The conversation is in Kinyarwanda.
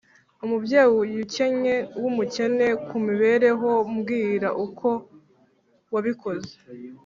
umubyeyi ukennye wumukene kumibereho, mbwira uko wabikoze